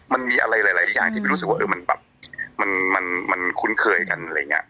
มันมีอะไรหลายอย่างที่มันคุ้นเคยกัน